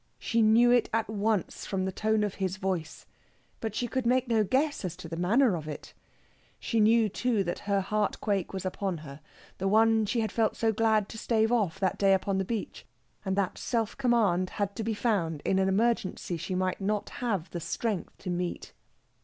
She knew it at once from the tone of his voice, but she could make no guess as to the manner of it. She knew, too, that that heartquake was upon her the one she had felt so glad to stave off that day upon the beach and that self command had to be found in an emergency she might not have the strength to meet.